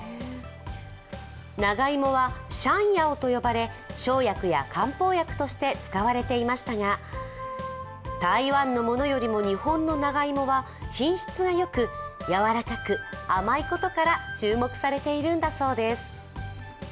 長芋は山藥と呼ばれ生薬や漢方薬として使われていましたが台湾のものよりも日本の長芋は品質がよくやわらかく甘いことから注目されているんだそうです。